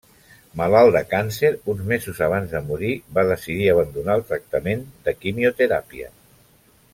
Malalt de càncer, uns mesos abans de morir va decidir abandonar el tractament de quimioteràpia.